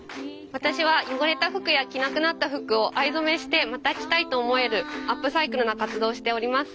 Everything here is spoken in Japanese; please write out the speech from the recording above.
私は汚れた服や着なくなった服を藍染めしてまた着たいと思えるアップサイクルな活動をしております。